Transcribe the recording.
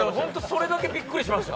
それだけびっくりしました。